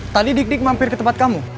tadi dik dik mampir ke tempat kamu